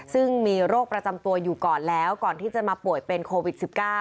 ซึ่งมีโรคประจำตัวอยู่ก่อนแล้วก่อนที่จะมาป่วยเป็นโควิด๑๙